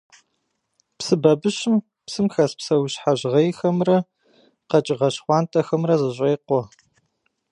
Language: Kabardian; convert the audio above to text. Псы бабыщым псым хэс псэущхьэ жьгъейхэмрэ къэкӏыгъэ щхъуантӏэхэмрэ зэщӏекъуэ.